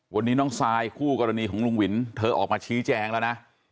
วันนี้น้องซายคู่กรณีของลุงวินเธอออกมาชี้แจงแล้วนะ